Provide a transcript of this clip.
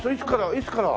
いつから？